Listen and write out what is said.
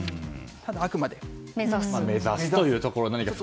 あくまで目指すというところ。